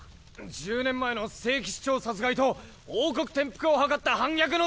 １０年前の聖騎士長殺害と王国転覆を謀った反逆の罪で。